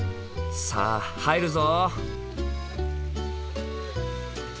さあ入るぞ！